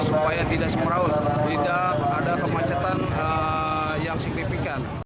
supaya tidak semeraut tidak ada kemacetan yang signifikan